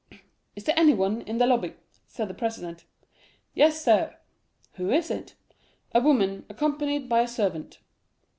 'Is there anyone in the lobby?' said the president. "'Yes, sir.'—'Who is it?'—'A woman, accompanied by a servant.